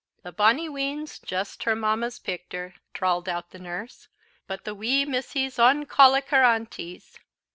"The bonny wean's just her mamma's pickter," drawled out the nurse, "but the wee missy's uncolike her aunties."